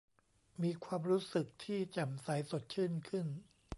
มีความรู้สึกที่แจ่มใสสดชื่นขึ้น